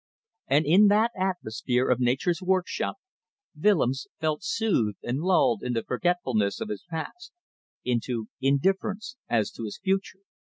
And in that atmosphere of Nature's workshop Willems felt soothed and lulled into forgetfulness of his past, into indifference as to his future.